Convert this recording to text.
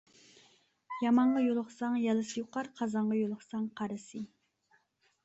يامانغا يولۇقساڭ يالىسى يۇقار، قازانغا يولۇقساڭ قارىسى.